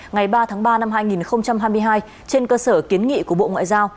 ngày ba tháng ba năm hai nghìn hai mươi hai trên cơ sở kiến nghị của bộ ngoại giao